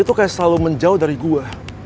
lo tuh kayak selalu menjauh dari gue